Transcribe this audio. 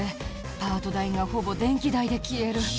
パート代がほぼ電気代で消える。